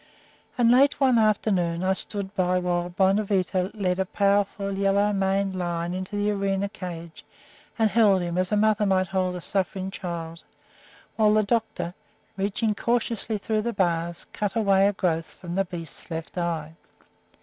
And late one afternoon I stood by while Bonavita led a powerful, yellow maned lion into the arena cage and held him, as a mother might hold a suffering child, while the doctor, reaching cautiously through the bars, cut away a growth from the beast's left eye.